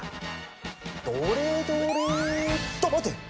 どれどれとまて！